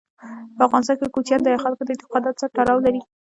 په افغانستان کې کوچیان د خلکو د اعتقاداتو سره تړاو لري.